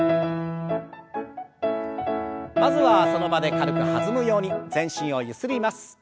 まずはその場で軽く弾むように全身をゆすります。